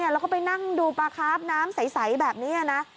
แล้วก็ไปนั่งดูปลาคาฟน้ำใสแบบนี้นะ